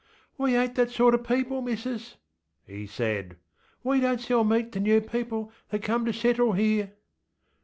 ŌĆśWe ainŌĆÖt that sorter people, missus, ŌĆÖ he said. ŌĆśWe donŌĆÖt sell meat to new people that come to settle here.